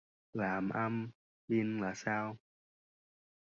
Làm âm binh là sao